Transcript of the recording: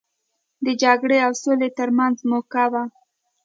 د جګړې او سولې ترمنځ موکه وه.